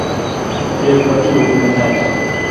اتیک پہ تی اوپ نہ تھال اؘ۔